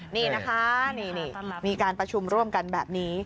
นี่นะคะนี่มีการประชุมร่วมกันแบบนี้